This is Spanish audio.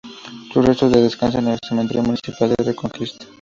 Sus restos descansan en el Cementerio Municipal de Reconquista.